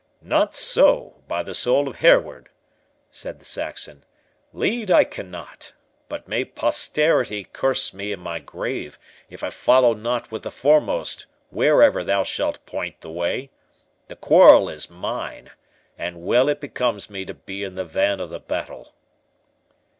"Not so, by the soul of Hereward!" said the Saxon; "lead I cannot; but may posterity curse me in my grave, if I follow not with the foremost wherever thou shalt point the way—The quarrel is mine, and well it becomes me to be in the van of the battle."